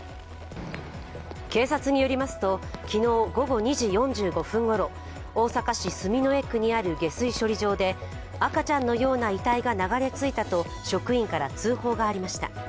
警察によりますと、昨日午後２時４５分ごろ、大阪市住之江区にある下水処理場で赤ちゃんのような遺体が流れ着いたと職員から通報がありました。